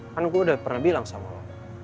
kan gue udah pernah bilang sama lo